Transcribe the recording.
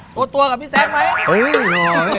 ตัวกับพี่แซคไหม